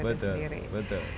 itu sendiri betul